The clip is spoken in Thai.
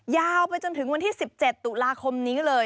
ยาวไปจนถึงวันที่๑๗ตุลาคมนี้เลย